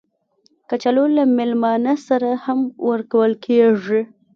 کچالو له میلمانه سره هم ورکول کېږي